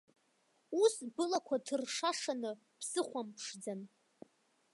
Ус былақәа ҭыршашаны бсыхәамԥшӡан.